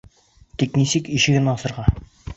Тик нисек ишеген асырға?